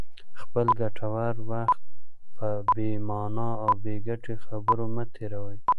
خپل ګټور وخت په بې مانا او بې ګټې خبرو مه تېروئ.